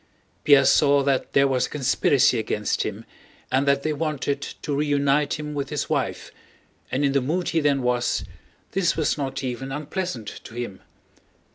Pierre saw that there was a conspiracy against him and that they wanted to reunite him with his wife, and in the mood he then was, this was not even unpleasant to him.